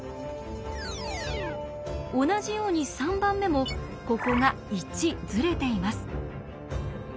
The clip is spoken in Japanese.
同じように３番目もここが１ずれています。